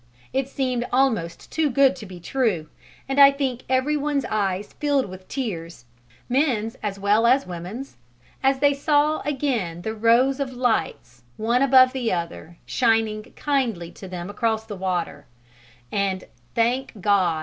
It seemed almost too good to be true, and I think everyone's eyes filled with tears, men's as well as women's, as they saw again the rows of lights one above the other shining kindly to them across the water, and "Thank God!"